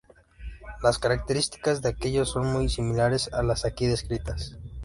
Las características de aquellos son muy similares a las aquí descritas.